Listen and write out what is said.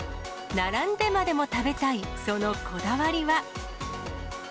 並んでまでも食べたい、そのこだわりは。